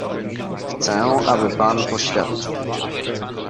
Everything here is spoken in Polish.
"Chcę, aby pan poświadczył."